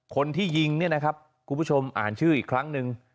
คนที่ยิงเนี่ยนะครับคุณผู้ชมอ่านชื่ออีกครั้งหนึ่ง